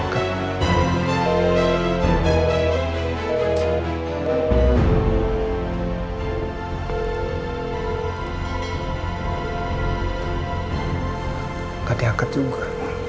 kau diangkat juga